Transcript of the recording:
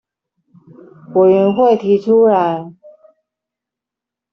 委員會提出來